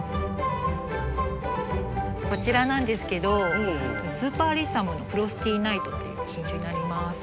こちらなんですけどスーパーアリッサム・フロスティーナイトっていう品種になります。